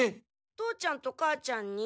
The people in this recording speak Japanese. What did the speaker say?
父ちゃんと母ちゃんに？